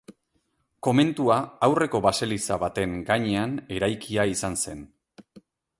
Komentua aurreko baseliza baten gainean eraikia izan zen.